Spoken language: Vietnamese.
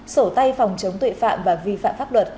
sổ tay phòng chống tội phạm và vi phạm pháp luật